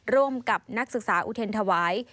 ร่วมกับนักศึกษาอุเทรนธวาย